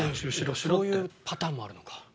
そういうパターンもあるのか。